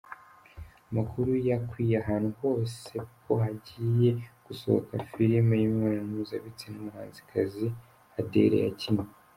Amakuru yakwiye ahantu hose ko hagiye gusohoka filimi y’imibonano mpuzabitsina, umuhanzikazi Adele yakinnye.